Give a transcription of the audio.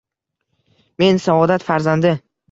Men saodat farzandi.